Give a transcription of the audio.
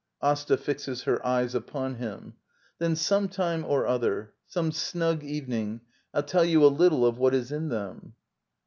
Asta. [Fixes her eyes upon him.] Then some time or other — some snug evening — 1*11 tell you a little of what is in them.